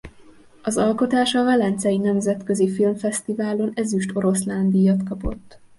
Az alkotás a Velencei Nemzetközi Filmfesztiválon Ezüst Oroszlán-díjat kapott.